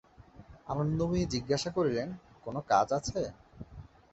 আনন্দময়ী জিজ্ঞাসা করিলেন, কোনো কাজ আছে?